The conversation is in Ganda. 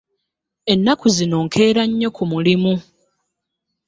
Ennaku zino nkeera nnyo ku mulimu